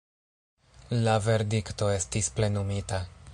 La verdikto estis plenumita.